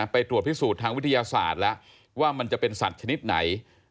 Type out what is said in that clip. ไปตรวจพิสูจน์ทางวิทยาศาสตร์แล้วว่ามันจะเป็นสัตว์ชนิดไหน